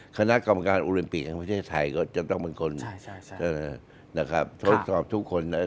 คณะกรรมการโอลิมปิกแห่งประเทศไทยก็จะต้องเป็นคนนะครับทดสอบทุกคนนะ